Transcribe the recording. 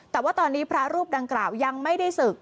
แต่ว่าตอนนี้พระรูปดังกล่าวยังไม่ได้ศึก